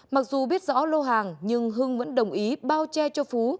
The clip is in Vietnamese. mặc dù biết rõ lô hàng nhưng hưng vẫn đồng ý bao che cho phú